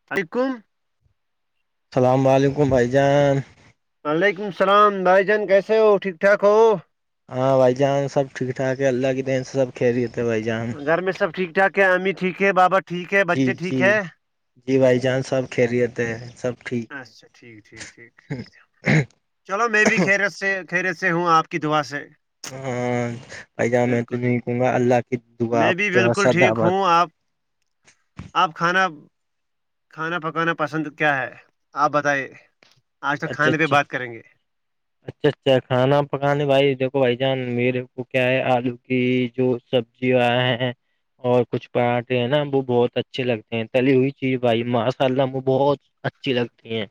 سھ [inaudible] السلام علیکم بھائی جان وعلیکم السلام بھائی جان کیسے ہو ٹھیک ٹھاک ہو ہاں بھائی جان سب ٹھیک ٹھاک ہے اللہ کے دین سے سب خیریت ہے جان گھر میں سب ٹھیک ٹھاک ہے امی ٹھیک ہے بابا ٹھیک ہے جی بچے ٹھیک جی ہے جی بھائی جان سب خیریت ہیں سب ٹھیک اچھا ٹھیک ٹھیک چلو میںی بھی خیرت چلو میں بھی خیریت سے ہوں آپ کی دعا سے ہاں ب جان میں تو بالکل بالکل نہیں کہوں گا اللہ [inaudible] میں آپ بھی سے بالکل ٹھیک سداباد ہوں آپ آپ کھانا کھانا پکانا پسند کیا ہے آپ بتائیے آج تک اچھا کھانے پہ اچھا بات کریں گے اچھا اچھا کھانا پکانے بھائی دیکھو بھائی جان میرے کو کیا ہے آلو کی جو سبی جی ہاں اور کچھ پکاتے ہیں نا وہ بہت اچھے لگتے ہیں تلی ہوئی چیز بھائی ماشاء اللہ وہ بہت اچھی لگتی ہیں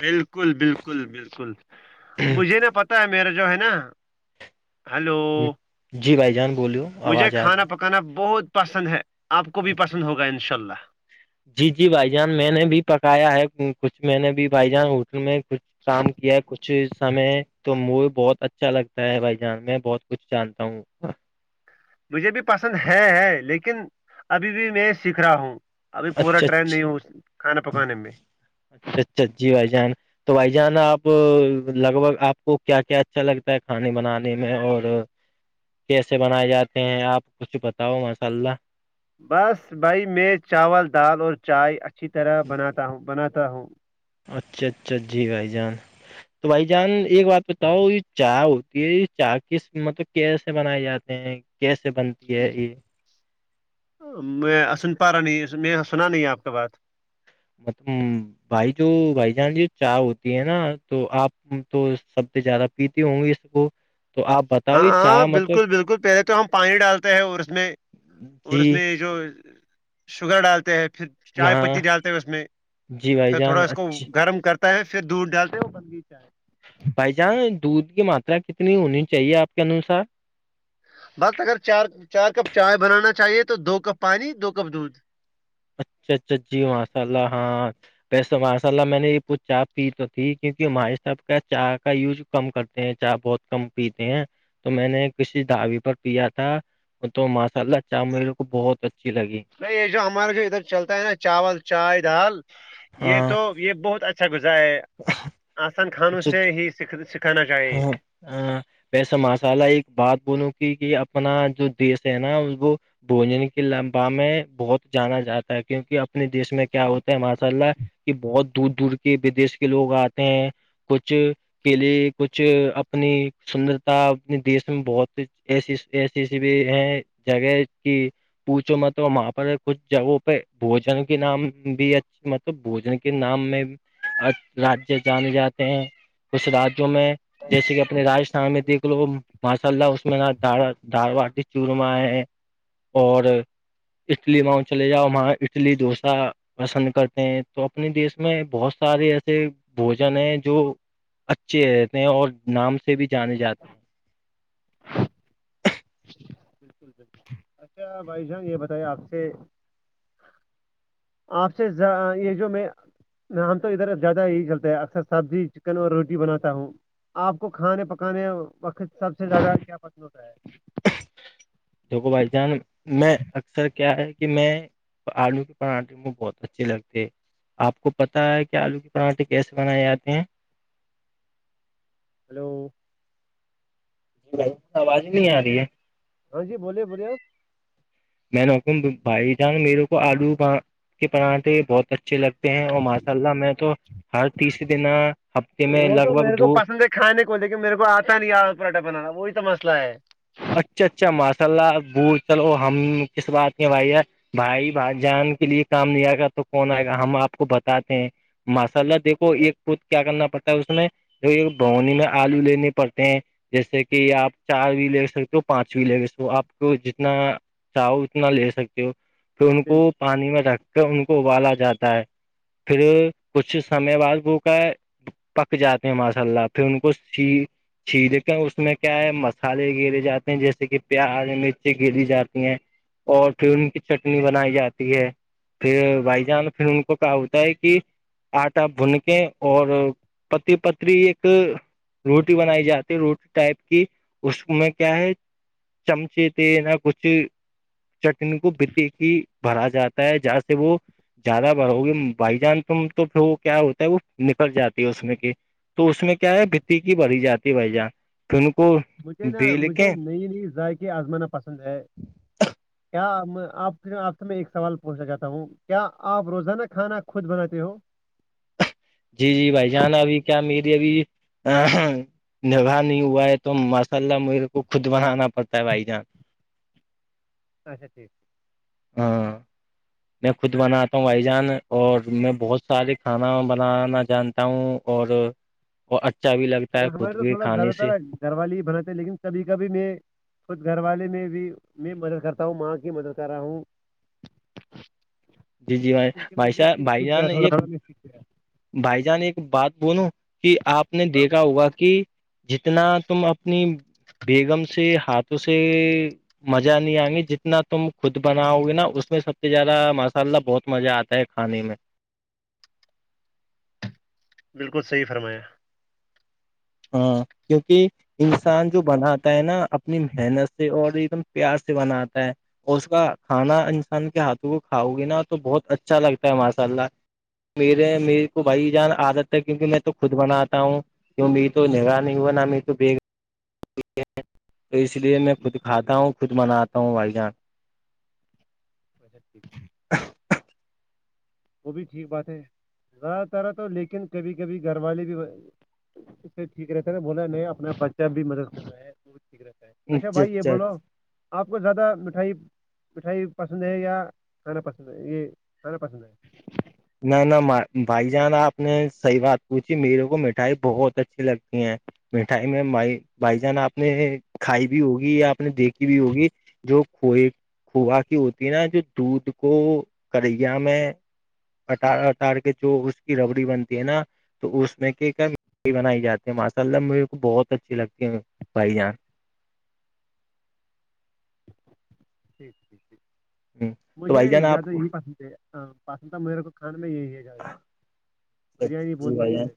بالکل بالکل بالکل مجھے نا پتا ہے میرے جو ہے نا ہلو جی بھائی جان بولیو مجھے آواز آ رہی کھانا ہے پکانا بہت پسند ہے آپ کو بھی پسند ہوگا ان شاء اللہ جی جی بھائی جان میں نے بھی پکایا ہے کچھ میں نے بھی بھائی جان ہوٹل میں کچھ کام کیا کچھ سمے تو مے بہت اچھا لگتا ہے بھائی جان میں بہت کچھ جانتا ہوں [inaudible] مجھے بھی پسند ہے ہے لیکن ابھی بھی میں سیکھ رہا ہوں ابھی پورا اچھا ٹرینڈ نہیں ہو کھانا پکانے میں سجی بھائی جان تو بھائی جان آپ لگ بھگ آپ کو کیا کیا اچھا لگتا ہے کھانے بنانے میں اور کیسے بنائے جاتے ہیں آپ کچھ بتاؤ ماشاء اللہ بس بھائی میں چاول دال اور چائے اچھی طرح بناتا ہوں بناتا ہوں اچھا اچھا ا جی بھائی جان تو بھائی جان ایک بات بتاؤ یہ چاہ ہوتی ہے چاہ کس مطلب کیسے بنائے جاتے ہیں کیسے بنتی ہے یہ میں اسن پارا نہیں میں سنا نہیں آپ کا بات [inaudible] بھائی جو بھائی جانجی چاہ ہوتی ہے نا تو آپ تو سب سے زیادہ پیتی ہوں گی اس کو تو آپ بتاؤ ہاں یہ ہاں چائے مطلب بالکل بالکل پہلے تو ہم پانی ڈالتے ہیں اور اس میں اور جی اس میں جو شوگر ڈالتے ہیں پھر چائے ہاں پتی ڈالتے ہیں اس میں جی بھائی پھر جان تھوڑا اس کو اچھی گرم کر تا ہے پھر دودھ ڈالتے وہ بن گئی چاہ بھائی جان دودھ کی ماترا کتنی ہونی چاہیے آپ کے انوسار بس اگر چار چار کپ چائے بنانا چاہیے تو دو کپ پانی دو کپ دودھ اچھا اچھا جی ماںشاء اللہ ہااں ویسے تو ماشاء اللہ میں نے یہ چاہ پی تو تھی کیونکہ ہمے صاحب کا چاہ کا یوز کم کرتے ہیں چاہ بہت کم پیتے ہیں تو میں نے کسی دعوی پر پیا تھا تو ماشاء اللہ چا ملے کو بہت اچھی لگی نہیں یہ جو ہمارا جو ادھر چلتا ہے نا چاول چائے دال یہ ہاں تو یہ بہت اچ اچھا گزار آسان کھانوں اچھا سے ہی سکھانا چاہیے ہاں ویسے ماشا ایک بات بولوں کہ کہ اپنا جو دیش ہے نا اس کو بوجن کی لمبا میں بہت جانا جاتا ہے کیونکہ اپنے دیش میں کیا ہوتا ہے ماشاء اللہ کہ بہت دور دور کے بدیش کے لوگ آتے ہیں کچھ کیلے کچھ اپنی سندرتا اپنے دیش میں بہت ایسی ایسی ایسی بھی ہیں جگہ کی پوچھو میں تو وہاں پر کچھ جگہوں پہ بوجن کی نام بھی اچ مطلب بوجن کے نام میںھ راجیہ جانے جاتے ہیں کچھ راج [unintelligible] جو میں جیسے کہ اپنے رجستھان میں دیکھ لو ماشاء اللہ اس میں ن د دارو چورمہ ہے اور اٹلیاں چلے جاؤ وہاں اٹلی ڈھوسا پسند کرتے ہیں تو اپنے دیس میں بہت سارے ایسے بوجن ہیں جو اچے رہتے ہیں اور نام سے بھی جانے جاتے ہیں بالکل بالکل اچھا بھائی جان یہ بتائیے آپ سے [unintelligible] آپ سے یہ جو میں نہ ہم تو ادھر زیادہ یہی چلتے ہیں اکثر سبزی چکن اور روٹی بناتا ہوں آپ کو کھانے پکانے وقت سب سے زیادہ کیا پسند ہوتا ہے [unintelligible] دیکھو بھائی جان میں اکثر کیا ہے کہ میں آلو کے پراھے مجھے بہت اچھے لگتے آپ کو پتاہ ہے کہ آلو کے پراٹھے کیسے بنائے آتے ہیں ہلو جی بھائی آواز ہی نہیں آ رہی ہے [unintelligible] ہاں جی بولیے بولیے ہو [unintelligible] میں نک بھائی جان میرے کو آلو ب [unintelligible] کے پرانھے بہت اچھے لگتے ہیں اور ماشاء اللہ میں تو ہر تیسر دن ہفتے میں وہ لگ تو بھگ میرے کو دو پسند ہے کھانے کو دیکے میرے کو آتا نہیں آ پراٹھا بنانا وہی تو مسئلہ ہے اچھا اچھا ماشاء اللہ بول چلو ہم کس بات کے بھائی ہے بھائی بائی جان کے لیے کام نہیں آئے گا تو کون آئے گا ہم آپ کو بتاتے ہیں ماشاء اللہ دیکھو ایک پت کیا کرنا پڑتا ہے اس میں تو یہ بہنی میں آلو لیننے پڑتے ہیں جیسے کہ آپ چار بھی لے سکتے ہو پانچویں لے ہو آپ کو جتنا چاہو اتنا لے سکتے ہو پھر ان بالکل کو پانی میں رکھ کر ان کو ابالا جاتا ہے پھر کچھ سمے بعد وہ کا پک جاتے ہیں ماشاء اللہ پھر ان کو چھی دیتے اس میں کیا ہے مسالے گیرے جاتے ہیں جیسے کہ پیار مرچیں گری جاتی ہیں اور ون کی چٹنی بنائی جاتی ہے پھر بھائی جان پھر ان کو کہا ہوتا ہے کہ آٹا بھن کے اور پتی پتری ایک روٹی بنائی جاتی ہے روٹی ٹائپ کی اس میں کیا ہے چمچے ت نہ کچھ چٹنی کو بتی کی بھرا جاتا ہے جہاں سے وہ زیادہ بار ہوگی بائی جان ت تو پھر وہ کیا ہوتا ہے وہ نکل جاتی ہے اس میں کہ تو اس میں کیا ہے بتیکی بڑھی جاتی بھائی جان پھر ان کو مجھے نا بیل کی مجھے نئی نئی ذائق آزمانا پسند ہے [inaudible] [unintelligible] کیا آپ آپ سے میں ایک سوال پوچھنا چاہتا ہوں کیا آپ روزانہ کھانا خود بناتے ہو جی جی بھائی جانا ابھی کیا میری ابھی نکاہ نہیں ہوا ہے تو ماشاء اللہ میرے کو خود بنانا پڑتا ہے بھائی جان [inaudible] اچھا ٹھیک ہاں میں خود بناتا ہوں بھائی جان اور میں بہت سارے کھانا بنانا جانتا ہوں اور اچھا بھی لگتا ہے ہمارے خود تو بھی تھوڑا کھانے زیادہ سے تر گھر والی بناتے لیکن سبھی کا بھی میں خود گھر والے میں بھی میں مدد کرتا ہوں ماں کی مدد کر رہا ہوں جی جی بھائی کیونکہ میں بھی بھائیشاہ سیکھ بھائی سیکھ جان گیا تھوڑا تھوڑا میں سیکھ گیا بھائی جان ایک بات بولو کہ آپ نے ہاں دیکھا ہوا کہ جتنا تم اپنی بیگم سے ہاتھ توے مزہ نہیں آئ گی جتنا تم خود بناؤ گے نا اس میں سب سے زیادہ م انشء اللہ بہت مزہ آتا ہے کھانے میں بالکل صحیح فرمایا ہاں کیونکہ انسان جو بناتا ہے نا اپنی محنت سے اور ایک دم پیار سے بناتا ہے اور اس کا کھانا انسان کے ہاتھوں کو کھاؤ گے نا تو بہت اچھا لگتا ہے ماشاء اللہ میرے میرے کو بھائی جان عادت ہے کیونکہ میں تو خود بناتا ہوں جو [unintelligible] تو اس لیے میں خود کھاتا ہوں خود مناتا ہوں بھائی جان [inaudible] [unintelligible] وہ بھی ٹھیک بات ہے زیادہ تر ہے تو لیکن کبھی کبھی گھر والے بھی اس سے ٹھیک رہتا ہے نا بولا نہیں اپنا بچہ بھی مدد کر رہا ہے وہ بھی ٹھیک رہتا اچھا بھائی یہ بولو آپ کو زیادہ مٹھائی مٹھائی پسند ہے یا کھانا پسند ہے یہ کھانا پسند ہے نہ نہ بھائی جان آپ نے صحیح بات پوچھی میرے کو مٹھائی بہت اچھی لگتی ہیں مٹھائی میں مائی بھائی جان آپ نے کھائی بھی ہوگی یا آپ نے دیکھی بھی ہوگی جو کھئے کھوا کی ہوتی ہے نا جو دودھ کو کریا میں اٹار اٹار کے جو اس کی ربڑی بنتی ہے نا تو اس میں کیا کیا م بنائی جاتی ہے ماشاء اللہ مجھے کو بہت اچھی لگتی ہے بھائی جان [inaudible] تو مجھے بھائی جان آپ زیادہ کو یہی پسند ہے پسند تھا میرے کو کھان میں یہی ہے بریانی جی بہت بھائی جان پسند ہے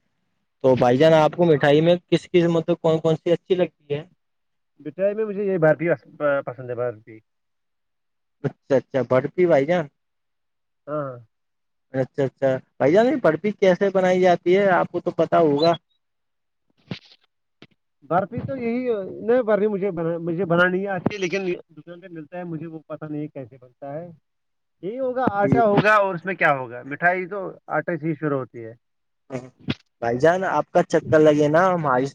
تو بھائی جان آپ کو مٹھائی میں کس قسمت کون کون سی اچھی لگتی ہے مٹھائی میں مجھے یہ بھرارتی پسند ہے بھھرتی اچھا اچھا برفی بھائی جان ہاں اچھا اچھا بھائی جان پرفی کیسے بنائی جاتی ہے آپ کو تو پتا ہوگا برفی تو یہی نہیں برفی مجھے ب مجھے بنانی نہیں آتی لیکن ملتا ہے مجھے وہ پتا نہیں کیسے بنتا ہے یہ ہوگا جی آٹا ہوگا اور اس میں کیا ہوگا مٹھائی تو آٹا سے ہی شروع ہوتی ہے بھائی جان آپ کا چکر لگے نا ہمائی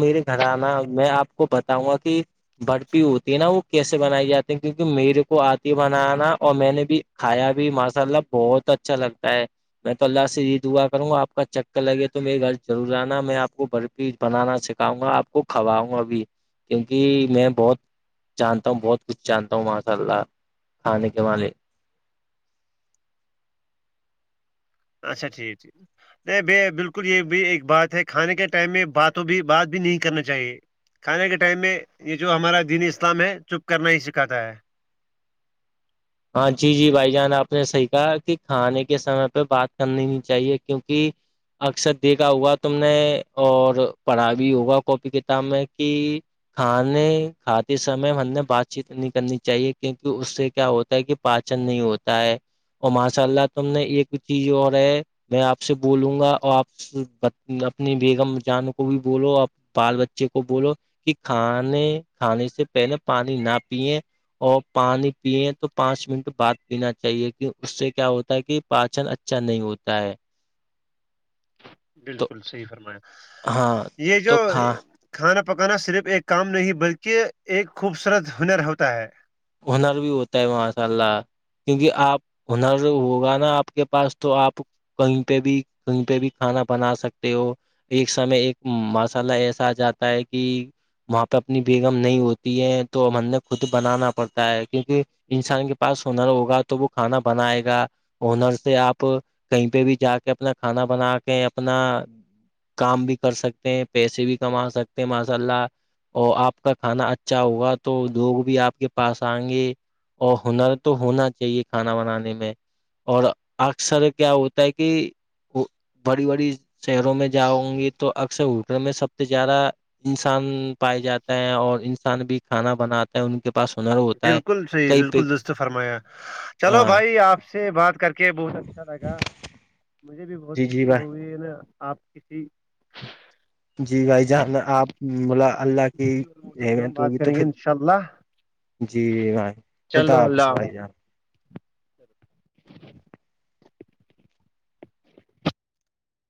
میرے گھر آنا میں آپ کو بتاؤں گا کہ برفی ہوتی ہے نا وہ کیسے بنائی جاتی ہیں کیونکہ میرے کو آتی ہے بنانا اور میں نے بھی کھایا بھی ماشاء اللہ بہت اچھا لگتا ہے میں تو اللہ سے یہی دعا کروں گا آپ کا چکر لگے تو میرے گھر ضرور آنا ہے میں آپ کو بر پی بنانا سکھاؤں گا آپ کو کھواؤں ابھی کیونکہ میں بہت جانتا ہوں بہت کچھ جانتا ہوں ماشاء اللہ کھانے کے مے اچھا ٹھیک ٹھیک نہیں بھ بالکل یہ بھی ایک بات ہے کھانے کے ٹائم میں باتوں بھی بات بھی نہیں کرنا چاہیے کھانے کے ٹائم میں یہ جو ہمارا دینی اسلام ہے چپ کرنا ہی سکھاتا ہے ہاں جی جی بھائی جان آپ نے صحیح کہا کہ کھانے کے سمے پہ بات کرنی نہیں چاہیے کیونکہ اکثر دیکھا ہوگا تم نے اور پڑھا بھی ہوگا کاپی کتاب میں کہ کھانے کھاتے سمے ہم نے بات چیت نہیں کرنی چاہیے کیونکہ اس سے کیا ہوتا کہ پاچن نہیں ہوتا ہے اور ماشاء اللہ تم نے ایک چیز اور ہے میں آپ سے بولوں گا اور آپ اپنی بیگم جان کو بھی بولو بال بچے کو بولو کہ کھانے کھانے سے پہلے پانی نہ پیے اور پانی پییں تو پانچ منٹ بعد پینا چاہیے کہ اس سے کیا ہوتا ہے کہ پاچن اچھا نہیں ہوتا ہے تو بالکل صحیح فرمایا ہاں یہ جو تو کھا کھانا پکانا صرف ایک کام نہیں بلکہ ایک خوبصورت ہنر ہوتا ہے ہنر بھی ہوتا ہے ماشاء اللہ کیونکہ آپ ہنر ہوگا نا آپ کے پاس تو آپ کہیں پہ بھی کہیں پہ بھی کھانا بنا سکتے ہو ایک سمے ایک مساللہ ایسا آ جاتا ہے کہ وہاں پہ اپنی بیگم نہیں ہوتی ہے تو ہم نے خود بنانا پڑتا ہے کیونکہ انسان کے پاس ہنر ہوگا تو وہ کھانا بنائے گا انر سے آپ کہیں پہ بھی جا کے اپنا کھانا بنا کے اپنا کام بھی کر سکتے ہیں پیسے بھی کما سکتے ہیں ماشاء اللہ اور آپ کا کھانا اچھا ہوگا تو لوگ بھی آپ کے پاس آئیں گے اور ہنر تو ہونا چاہیے کھانا بنانے میں اور اکثر کیا ہوتا ہے کہ بڑی بڑی شہروں میں جاؤوں گی تو اکثر ہوٹل میں سب سے زیادہ انسان پائے جاتا ہے اور انسان بھی کھانا بناتا ہے ان کے پاس سن اور بالکل صحیح بالکل دست فرمایا چلو ہاں بھائی آپ سے بات کر کے بہت اچھا لگا مجھے بھی بہت جی جی خوشی بھائی ہوئی ہے نا آپ کسی جی بھائی جان آپ ملا اللہ کی کسی اور موضوع پہ ہم اہمیت بات ہوگی تو کریں گے پھر ان شاء اللہ جی بھائی خدا چلو آپ ص اللہ بائی حافظ۔ جانا